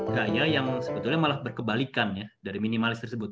gaya yang sebetulnya malah berkebalikan dari minimalis tersebut